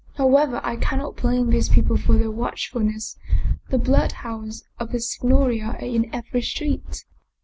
However, I cannot blame these people for their watchfulness. The bloodhounds of the Signoria are in every street."